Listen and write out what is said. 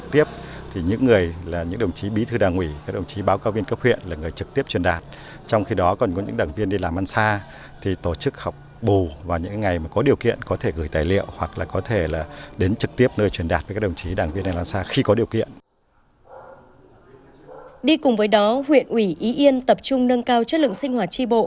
đi cùng với đó huyện ủy ý yên tập trung nâng cao chất lượng sinh hoạt tri bộ